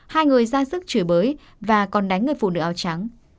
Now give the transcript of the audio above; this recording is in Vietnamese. hai người ra sức chửi bới và còn đánh người phụ nữ áo trắng